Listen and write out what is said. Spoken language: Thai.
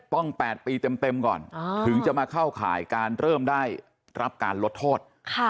๘ปีเต็มก่อนถึงจะมาเข้าข่ายการเริ่มได้รับการลดโทษ